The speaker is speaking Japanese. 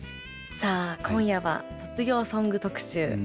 さあ今夜は卒業ソング特集。